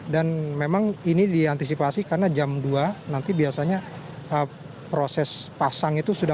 dan memang ini diantisipasi karena jam dua nanti biasanya proses pasang itu sudah berakhir